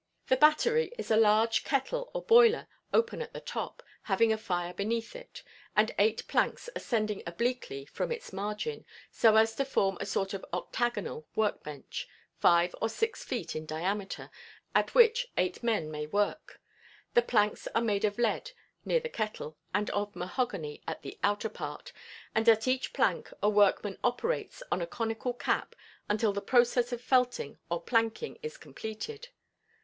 The "battery" is a large kettle or boiler open at the top, having a fire beneath it, and eight planks ascending obliquely from the margin, so as to form a sort of octagonal work bench, five or six feet in diameter, at which eight men may work; the planks are made of lead near the kettle, and of mahogany at the outer part, and at each plank a workman operates on a conical cap until the process of felting or "planking" is completed.